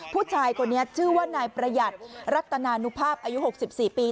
ผู้ชายคนนี้ชื่อว่านายประหยัดรัตนานุภาพอายุ๖๔ปี